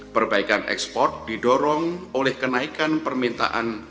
perbaikan ekspor didorong oleh kenaikan permintaan